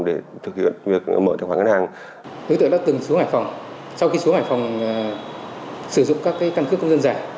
sau khi xuống hải phòng sử dụng các cân cước công dân giả